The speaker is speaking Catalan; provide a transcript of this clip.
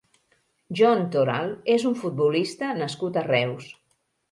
Jon Toral és un futbolista nascut a Reus.